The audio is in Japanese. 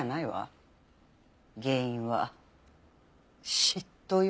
原因は嫉妬よ。